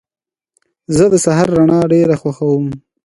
زه د سهار رڼا ډېره خوښوم.